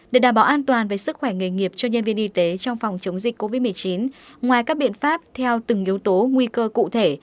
để đảm bảo an toàn về sức khỏe nghề nghiệp cho nhân viên y tế trong phòng chống dịch covid một mươi chín ngoài các biện pháp theo từng yếu tố nguy cơ cụ thể